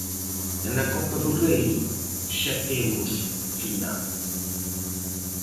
E na Copa do Rei, xa temos final.